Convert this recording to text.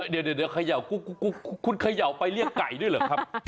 เดี๋ยวขยาวกุกกกกกคุณขยาวไปเลี่ยงไก่ด้วยหรือครับ